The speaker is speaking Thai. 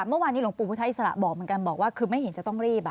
เมื่อวานนี้หลวงปู่พุทธอิสระบอกเหมือนกันบอกว่าคือไม่เห็นจะต้องรีบ